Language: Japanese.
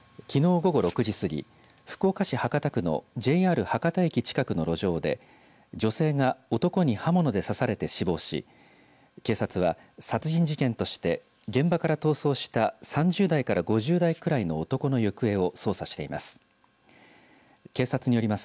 きのう午後６時すぎ福岡市博多区のＪＲ博多駅近くの路上で女性が男に刃物で刺されて死亡し警察は、殺人事件として現場から逃走した３０代から５０代くらいの男の行方を捜査しています。